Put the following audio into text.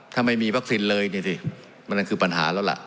ถ้าไม่มีวัคซีนเลยเนี่ยสิมันนั่นคือปัญหาแล้วล่ะ